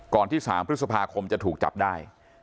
ที่๓พฤษภาคมจะถูกจับได้